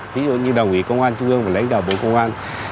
ví dụ như đồng ý công an chung gương và lãnh đạo bộ công an